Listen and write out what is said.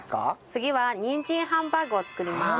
次はにんじんハンバーグを作ります。